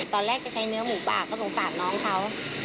ตอนแรกจะใช้เนื้อหมูปากก็สงสารน้องเขา